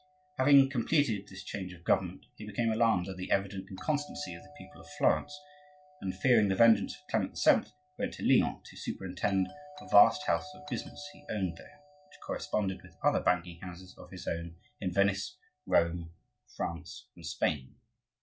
Having completed this change of government, he became alarmed at the evident inconstancy of the people of Florence, and, fearing the vengeance of Clement VII., he went to Lyon to superintend a vast house of business he owned there, which corresponded with other banking houses of his own in Venice, Rome, France, and Spain.